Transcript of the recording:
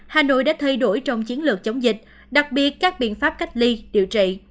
hà nội đã thay đổi trong chiến lược chống dịch đặc biệt các biện pháp cách ly điều trị